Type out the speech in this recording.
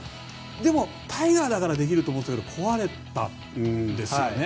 でも、タイガーだからできると思っていたけど壊れたんだよね。